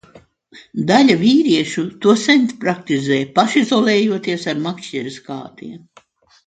Daļa vīriešu to sen praktizē, pašizolējoties ar makšķeres kātiem.